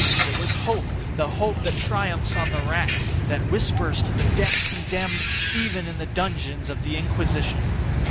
It was hope—the hope that triumphs on the rack—that whispers to the death condemned even in the dungeons of the Inquisition.